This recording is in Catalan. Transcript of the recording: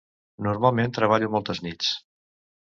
Normalment, treballo moltes nits.